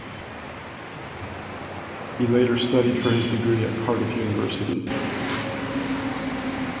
He later studied for his degree at Cardiff University.